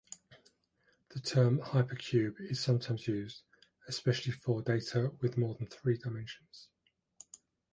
The term hypercube is sometimes used, especially for data with more than three dimensions.